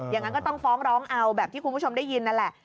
อย่างนั้นก็ต้องฟ้องร้องเอาแบบที่คุณผู้ชมได้ยินนั่นแหละ